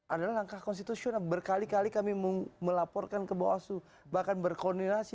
adalah langkah konstitusional berkali kali kami mau melaporkan ke bawah suhu bahkan berkoordinasi